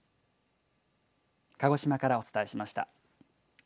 鹿児島からお伝えしました。